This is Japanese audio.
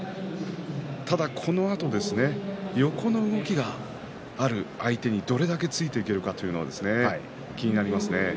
ただ、このあとですね横の動きがある相手にどれだけついていけるかというのは気になりますね。